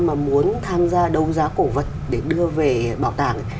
mà muốn tham gia đấu giá cổ vật để đưa về bảo tàng ấy